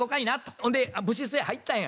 ほんで部室へ入ったんや。